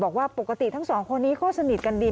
บอกว่าปกติทั้งสองคนนี้ก็สนิทกันดี